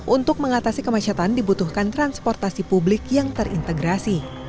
untuk mengatasi kemacetan dibutuhkan transportasi publik yang terintegrasi